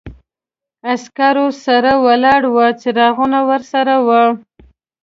عسکرو سره ولاړ و، څراغونه ورسره و.